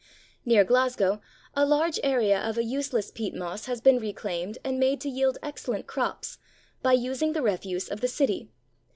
Near Glasgow a large area of a useless peat moss has been reclaimed and made to yield excellent crops, by using the refuse of the city.